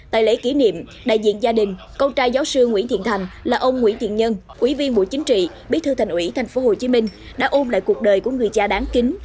tại lễ kỷ niệm đại diện gia đình con trai giáo sư nguyễn thiện thành là ông nguyễn thiện nhân ủy viên bộ chính trị bí thư thành ủy tp hcm đã ôm lại cuộc đời của người cha đáng kính